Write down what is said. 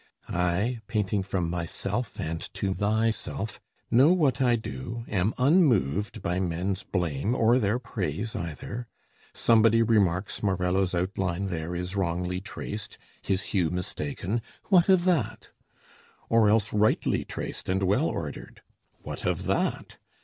I, painting from myself and to thyself, Know what I do, am unmoved by men's blame Or their praise either. Somebody remarks Morello's outline there is wrongly traced, His hue mistaken: what of that? or else, Rightly traced and well ordered: what of that?